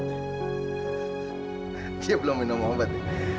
dia belum minum ombet